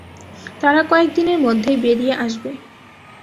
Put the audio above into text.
তারা কয়েক দিনের মধ্যেই বেরিয়ে আসবে।